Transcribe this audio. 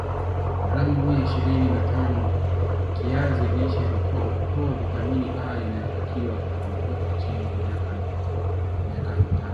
gramu mia ishirini na tano kiazi lishe hutoa vitamini A inayotakiwa kwa mtoto chini ya miaka tano